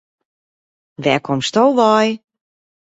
Wêr komsto wei?